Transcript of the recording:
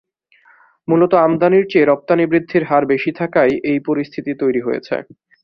মূলত আমদানির চেয়ে রপ্তানি বৃদ্ধির হার বেশি থাকায় এই পরিস্থিতি তৈরি হয়েছে।